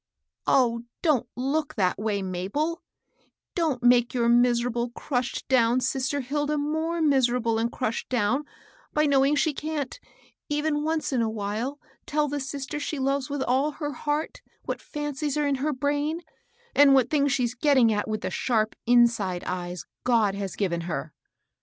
Oh, don't look that way, Mabel 1 don't make your miserable, crushed down sister Hilda more miserable and crushed down by knowing she can't, even once in a while, tell the sister she loves with all her heart what fancies are in her brain, and what things she's getting at with the sharp irmde eyes God has given her.